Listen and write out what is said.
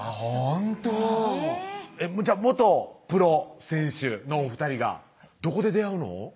ほんとじゃあ元プロ選手のお２人がどこで出会うの？